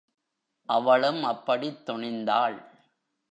அவளும் அப்படித் துணிந்தாள்.